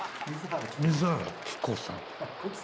水原希子さん。